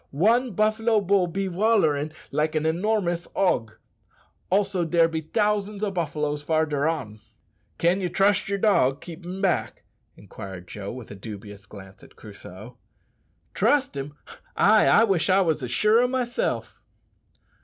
One buffalo bull be wollerin' like a enormerous hog. Also, dere be t'ousands o' buffaloes farder on." "Can ye trust yer dog keepin' back?" inquired Joe, with a dubious glance at Crusoe. "Trust him! Ay, I wish I was as sure o' myself."